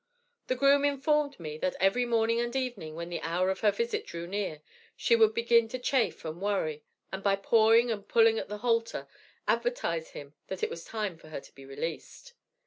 The groom informed me that every morning and evening, when the hour of her visit drew near, she would begin to chafe and worry, and, by pawing and pulling at the halter, advertise him that it was time for her to be released.